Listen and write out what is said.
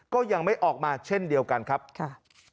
ก็ยังไม่ออกมาเช่นเดียวกันครับค่ะ